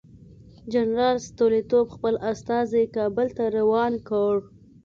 جنرال ستولیتوف خپل استازی کابل ته روان کړ.